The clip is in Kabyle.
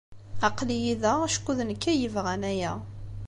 Aql-iyi da acku d nekk ay yebɣan aya.